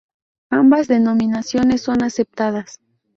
Ambas denominaciones son aceptadas.